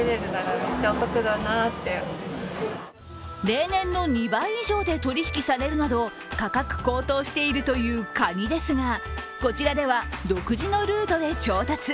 例年の２倍以上で取引されるなど価格高騰しているというかにですがこちらでは、独自のルートで調達。